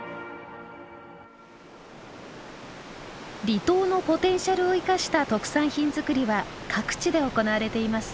離島のポテンシャルを生かした特産品作りは各地で行われています。